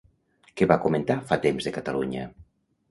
Què va comentar fa temps de Catalunya?